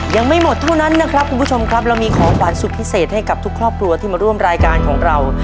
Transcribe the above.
ยังไม่หมดเท่านั้นนะครับคุณผู้ชมครับเรามีของขวัญสุดพิเศษให้กับทุกครอบครัวที่มาร่วมรายการของเรา